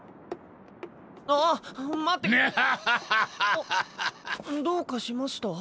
あっどうかしました？